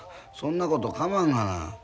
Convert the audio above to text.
そんなことかまんがな。